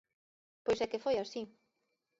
Pois é que foi así.